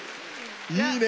いいね！